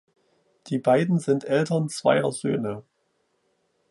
Die beiden sind Eltern zweier Söhne.